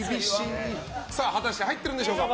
果たして入ってるんでしょうか。